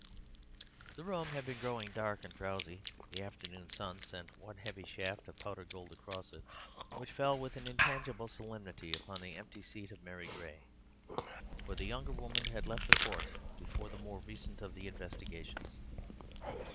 The room had been growing dark and drowsy; the afternoon sun sent one heavy shaft of powdered gold across it, which fell with an intangible solemnity upon the empty seat of Mary Gray, for the younger women had left the court before the more recent of the investigations.